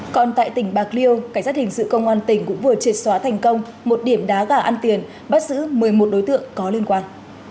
còn tại tỉnh bạc liêu cảnh sát hình sự công an tỉnh cũng vừa triệt xóa thành công một điểm đá gà ăn tiền bắt giữ một mươi một đối tượng có liên quan